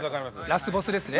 ラスボスですね。